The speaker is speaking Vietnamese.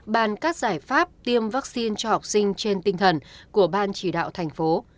bàn các giải pháp tiêm vaccine cho học sinh trên tinh thần của ban chỉ đạo thành phố